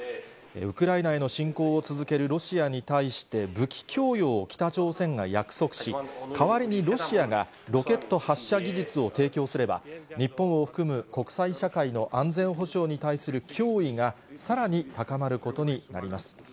ウクライナへの侵攻を続けるロシアに対して武器供与を北朝鮮が約束し、代わりにロシアがロケット発射技術を提供すれば、日本を含む国際社会の安全保障に対する脅威がさらに高まることになります。